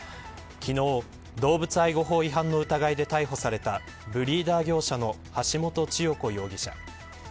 昨日、動物愛護法違反の疑いで逮捕されたブリーダー業者の橋本千代子容疑者。